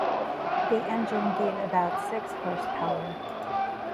The engine gave about six horse-power.